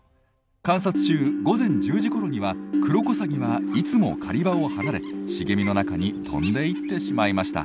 観察中午前１０時ごろにはクロコサギはいつも狩り場を離れ茂みの中に飛んでいってしまいました。